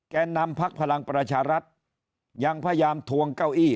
นำพักพลังประชารัฐยังพยายามทวงเก้าอี้